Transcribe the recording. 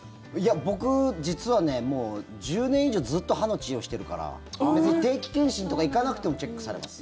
僕、実は１０年以上ずっと歯の治療をしているから別に定期検診とか行かなくてもチェックされます。